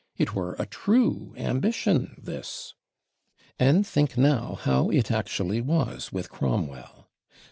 It were a true ambition this! And think now how it actually was with Cromwell.